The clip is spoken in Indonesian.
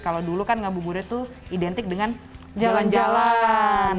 kalau dulu kan ngabuburit tuh identik dengan jalan jalan